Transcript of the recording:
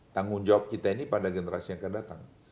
tanggung jawab kita ini pada generasi yang akan datang